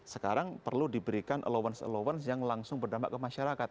sekarang perlu diberikan allowance allowance yang langsung berdampak ke masyarakat